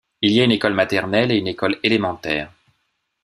Il y a une école maternelle et une école élémentaire.